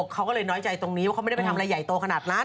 เขาก็เลยน้อยใจตรงนี้ว่าเขาไม่ได้ไปทำอะไรใหญ่โตขนาดนั้น